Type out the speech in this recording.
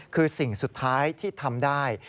คือสิ่งสุดท้ายที่ทำได้